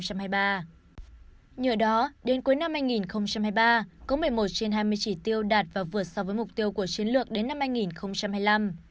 nhờ đó đến cuối năm hai nghìn hai mươi ba có một mươi một trên hai mươi chỉ tiêu đạt và vượt so với mục tiêu của chiến lược đến năm hai nghìn hai mươi năm